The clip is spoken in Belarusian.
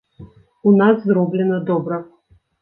У нас зроблена добра.